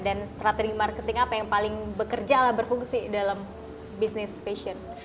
dan strategi marketing apa yang paling bekerja berfungsi dalam bisnis fashion